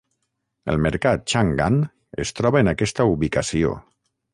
El mercat Chang'an es troba en aquesta ubicació.